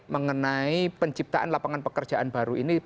mengenai penciptaan lapangan pekerjaan baru ini